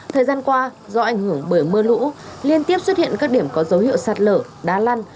thời gian qua do ảnh hưởng bởi mưa lũ liên tiếp xuất hiện các điểm có dấu hiệu sạt lở đá lăn